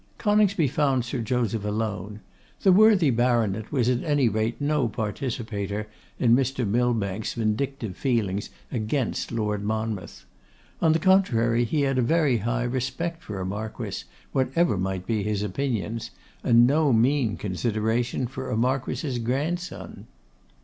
Coningsby found Sir Joseph alone. The worthy Baronet was at any rate no participator in Mr. Millbank's vindictive feelings against Lord Monmouth. On the contrary, he had a very high respect for a Marquess, whatever might be his opinions, and no mean consideration for a Marquess' grandson.